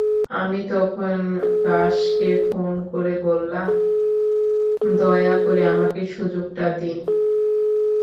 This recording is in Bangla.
আমি তখন গাসকে ফোন করে বললাম, দয়া করে আমাকে সুযোগটা দিন।